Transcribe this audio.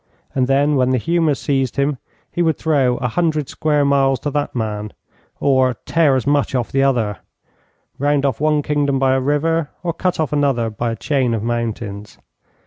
And then, when the humour seized him, he would throw a hundred square miles to that man, or tear as much off the other, round off one kingdom by a river, or cut off another by a chain of mountains.